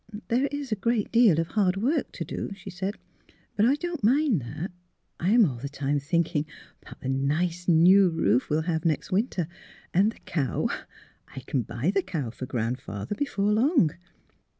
'' There is a great deal of hard work to do," she said. '' But — I don't mind that. I'm all the time thinking about the nice new roof we'll have next winter, and the cow — I can buy the cow for Gran 'father before long."